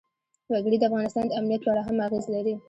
وګړي د افغانستان د امنیت په اړه هم اغېز لري.